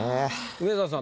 梅沢さん